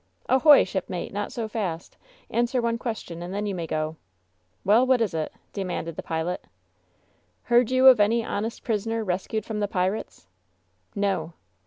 "Ahoy, shipmate! Not so fast! Answer one ques tion, and then you may go/* "Well, what is it?" demanded the pilot "Heard you of any honest prisoner rescued from the pirates?" "No."